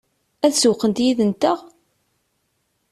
Ad sewwqent yid-nteɣ?